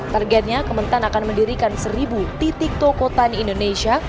targetnya kementang akan mendirikan satu titik toko tani indonesia